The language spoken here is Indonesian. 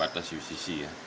batas yosisi ya